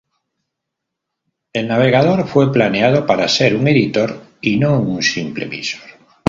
El navegador fue planeado para ser un editor y no un simple visor.